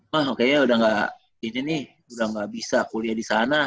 wah kayaknya udah gak bisa kuliah di sana